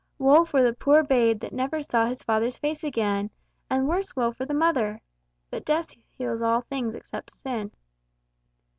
Woe for the poor babe, that never saw his father's face again! And worse woe for the mother! But death heals all things, except sin.